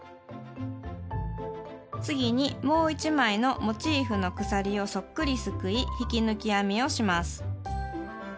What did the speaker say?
次にもう１枚のモチーフの鎖をそっくりすくい引き抜き編みをします。